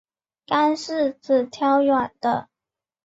干柿子挑软的